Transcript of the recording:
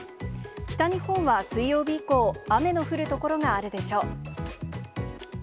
北日本は水曜日以降、雨の降る所があるでしょう。